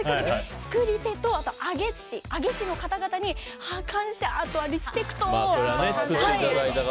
作り手とあと、揚げ師の方々に感謝とリスペクトを。